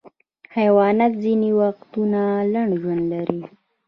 حیوانات ځینې وختونه لنډ ژوند لري.